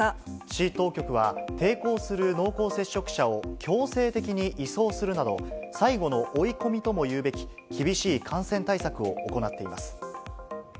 市当局は、抵抗する濃厚接触者を強制的に移送するなど、最後の追い込みともいうべき厳しい感染対策を行っています。